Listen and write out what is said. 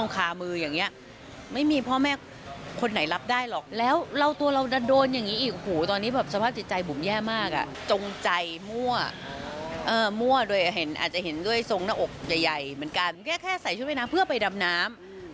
แค่ใส่ชุดเวน้ำเพื่อไปดำน้ำ